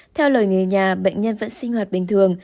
theo lời nghề nhà bệnh nhân vẫn sinh hoạt bình thường